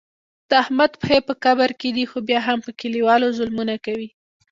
د احمد پښې په قبر کې دي خو بیا هم په کلیوالو ظلمونه کوي.